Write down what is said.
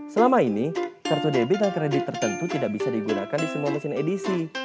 selama ini kartu debit dan kredit tertentu tidak bisa digunakan di semua mesin edisi